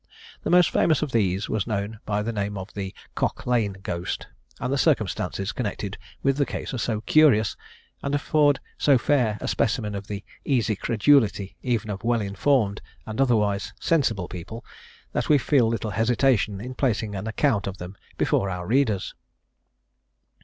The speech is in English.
The most famous of these was known by the name of the "Cock Lane Ghost," and the circumstances connected with the case are so curious, and afford so fair a specimen of the easy credulity even of well informed and otherwise sensible people, that we feel little hesitation in placing an account of them before our readers.